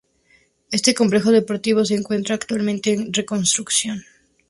Este complejo deportivo se encuentra actualmente en reconstrucción.